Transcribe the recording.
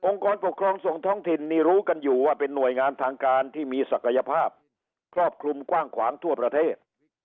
กรปกครองส่งท้องถิ่นนี่รู้กันอยู่ว่าเป็นหน่วยงานทางการที่มีศักยภาพครอบคลุมกว้างขวางทั่วประเทศ